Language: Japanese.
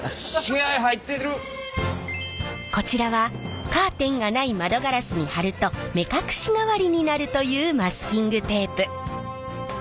こちらはカーテンがない窓ガラスに貼ると目隠し代わりになるというマスキングテープ。